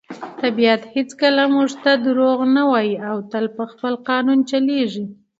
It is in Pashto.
طبیعت هیڅکله موږ ته دروغ نه وایي او تل په خپل قانون چلیږي.